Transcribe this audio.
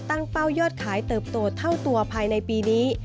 เป้ายอดขายเติบโตเท่าตัวภายในปีนี้